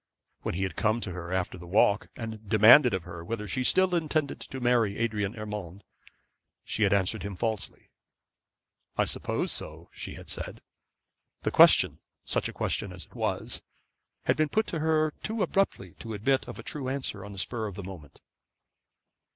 When he had come to her after the walk, and demanded of her whether she still intended to marry Adrian Urmand, she had answered him falsely. 'I suppose so,' she had said. The question such a question as it was had been put to her too abruptly to admit of a true answer on the spur of the moment.